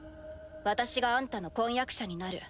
私があんたの婚約者になる。